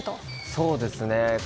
そうですね。